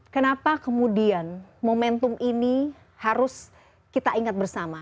kenapa kemudian momentum ini harus kita ingat bersama